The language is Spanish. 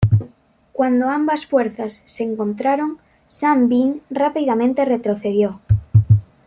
Cuando ambas fuerzas se encontraron Sun Bin rápidamente retrocedió.